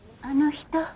あの人。